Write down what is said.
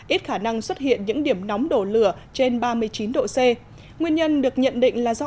ít khả năng xuất hiện những điểm nóng đổ lửa trên ba mươi chín độ c nguyên nhân được nhận định là do